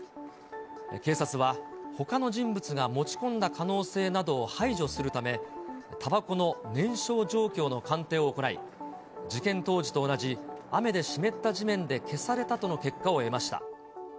警察は、ほかの人物が持ち込んだ可能性などを排除するため、たばこの燃焼状況の鑑定を行い、事件当時と同じ雨で湿った地面で消されたとの結果を得ました。